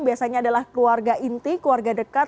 biasanya adalah keluarga inti keluarga dekat